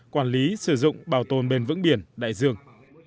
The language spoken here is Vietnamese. quản lý sử dụng bảo tồn bền vững biển đại dương